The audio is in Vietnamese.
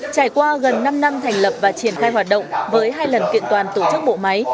trải qua gần năm năm thành lập và triển khai hoạt động với hai lần kiện toàn tổ chức bộ máy